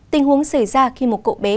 tình huống xảy ra khi một cậu bé